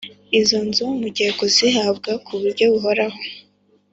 izo nzu mugiye kuzihabwa ku buryo buhoraho